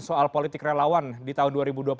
soal politik relawan di tahun dua ribu dua puluh empat